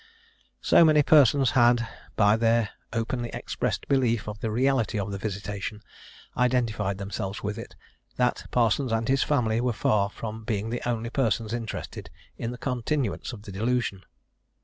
So many persons had, by their openly expressed belief of the reality of the visitation, identified themselves with it, that Parsons and his family were far from being the only persons interested in the continuance of the delusion.